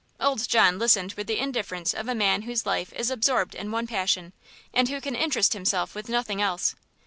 Old John listened with the indifference of a man whose life is absorbed in one passion and who can interest himself with nothing else.